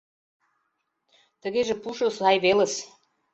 Тыгеже пушо сай велыс.